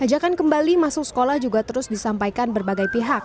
ajakan kembali masuk sekolah juga terus disampaikan berbagai pihak